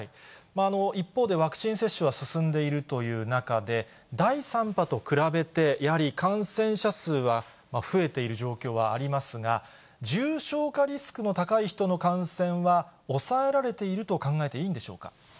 一方でワクチン接種は進んでいるという中で、第３波と比べて、やはり感染者数は増えている状況はありますが、重症化リスクの高い人の感染は抑えられていると考えていいんでし